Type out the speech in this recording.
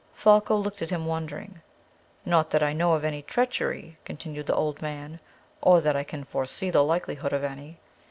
Folko looked at him wondering. "Not that I know of any treachery," continued the old man; "or that I can even foresee the likelihood of any.